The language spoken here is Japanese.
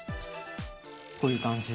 こういう感じ。